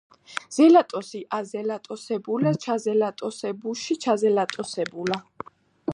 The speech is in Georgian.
ზელატოსი აზელატოსებულა ჩაზელატოსებუში ჩზელატოსებულა